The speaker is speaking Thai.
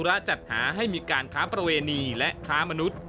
และจัดหาให้มีการค้าประเวณีและค้ามนุษย์